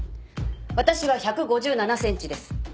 私は１５７ｃｍです。